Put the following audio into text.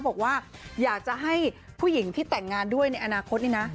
บอกว่าอยากจะให้ผู้หญิงที่แต่งงานด้วยในอนาคตนี่นะ